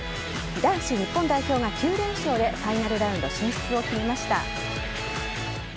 男子日本代表が９連勝でファイナルラウンド進出を決めました。